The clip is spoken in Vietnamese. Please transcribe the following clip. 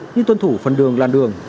như tuân thủ phần đường lan đường